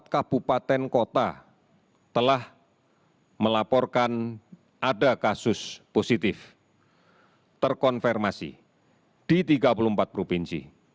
empat ratus dua puluh empat kabupaten kota telah melaporkan ada kasus positif terkonfirmasi di tiga puluh empat provinsi